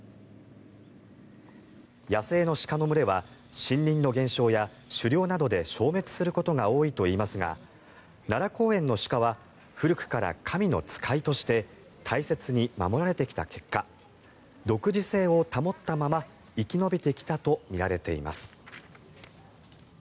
野生の鹿の群れは森林の減少や狩猟などで消滅することが多いといわれていますが奈良公園の鹿は古くから神の使いとして大切に守られてきた結果独自性を保ったまま生き延びてきたとみられています。